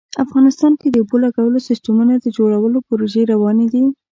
افغانستان کې د اوبو لګولو سیسټمونو د جوړولو پروژې روانې دي